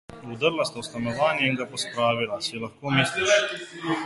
Vdrla sta v stanovanje in ga pospravila. Si lahko misliš?